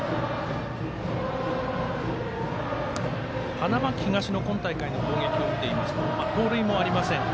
花巻東の今大会の攻撃を見ていますと盗塁もありません。